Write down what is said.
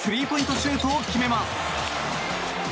シュートを決めます。